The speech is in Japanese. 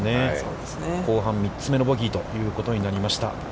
後半３つ目のボギーということになりました。